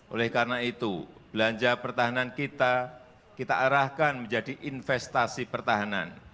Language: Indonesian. oleh karena itu belanja pertahanan kita kita arahkan menjadi investasi pertahanan